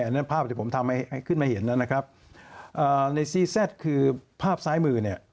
นั่นภาพที่ผมทำให้ขึ้นมาเห็นนะครับในซี่แซ่ดคือภาพซ้ายมือเนี่ย